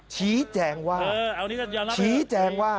ชี้แจงว่าชี้แจงว่า